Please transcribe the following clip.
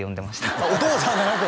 あっお父さんじゃなく？